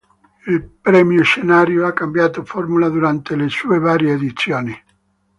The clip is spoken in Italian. Il Premio Scenario ha cambiato formula durante le sue varie edizioni.